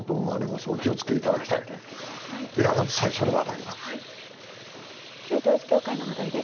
まず最初の話題は。